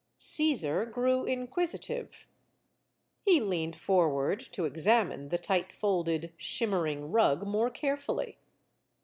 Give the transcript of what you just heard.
Caesar grew inquisitive. He leaned forward to ex amine the tight folded, shimmering rug more carefully.